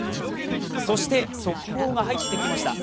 そして速報が入ってきました。